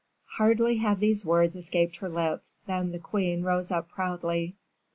Hardly had these words escaped her lips, than the queen rose up proudly.